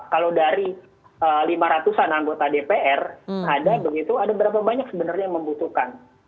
kalau dari lima ratus an anggota dpr ada begitu ada berapa banyak sebenarnya yang membutuhkan